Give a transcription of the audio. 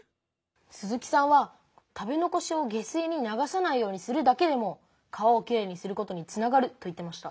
鈴木さんは食べ残しを下水に流さないようにするだけでも川をきれいにすることにつながると言ってました。